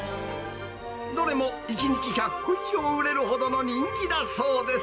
どれも１日１００個以上売れるほどの人気だそうです。